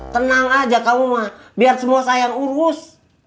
tenang aja kamu mah biar semua saya yang urrus